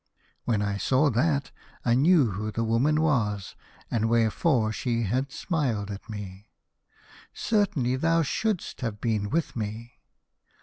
When I saw that, I knew who the woman was, and wherefore she had smiled at me. " Certainly thou should'st have been with me.